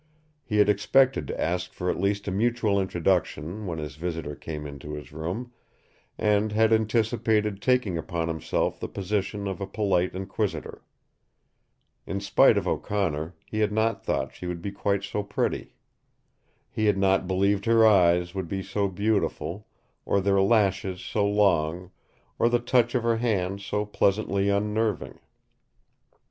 He had expected to ask for at least a mutual introduction when his visitor came into his room, and had anticipated taking upon himself the position of a polite inquisitor. In spite of O'Connor, he had not thought she would be quite so pretty. He had not believed her eyes would be so beautiful, or their lashes so long, or the touch of her hand so pleasantly unnerving.